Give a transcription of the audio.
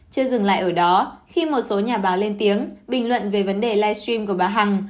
chưa dừng lại ở đó khi một số nhà báo lên tiếng bình luận về vấn đề livestream của bà hằng